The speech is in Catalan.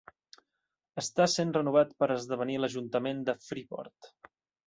Està sent renovat per esdevenir l'Ajuntament de Freeport.